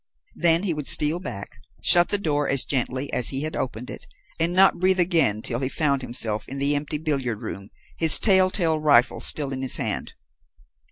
Then he would steal back, shut the door as gently as he had opened it, and not breathe again till he found himself in the empty billiard room, his tell tale rifle still in his hand.